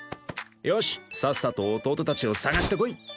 よしさっさと弟たちを捜してこい！